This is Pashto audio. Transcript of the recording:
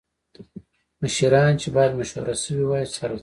مشیران چې باید مشوره شوې وای څارل کېدل